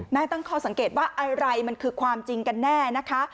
ตั้งข้อสังเกตว่าอะไรมันคือความจริงกันแน่นะคะ